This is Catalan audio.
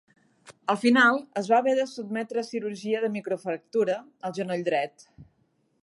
Al final es va haver de sotmetre a cirurgia de microfractura al genoll dret.